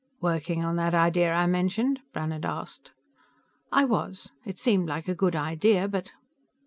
"Working on that idea I mentioned?" Brannhard asked. "I was. It seemed like a good idea but...."